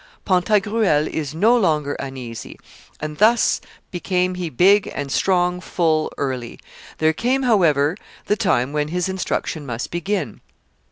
Pantagruel is no longer uneasy. ... And thus became he big and strong full early. ... There came, however, the time when his instruction must begin.